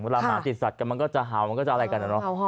เวลาหมาติดศัพท์กันมันก็จะเฮามันก็จะเอาอะไรกันอีก